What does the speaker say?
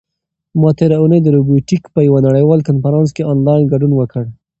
ما تېره اونۍ د روبوټیک په یوه نړیوال کنفرانس کې آنلاین ګډون وکړ.